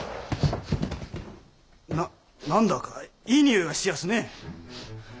な何だかいい匂いがしやすねえ。